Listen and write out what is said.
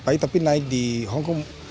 tapi naik di hongkong